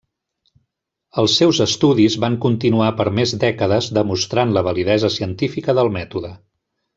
Els seus estudis van continuar per més dècades demostrant la validesa científica del Mètode.